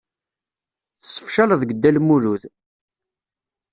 Tessefcaleḍ deg Dda Lmulud.